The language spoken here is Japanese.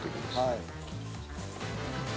はい。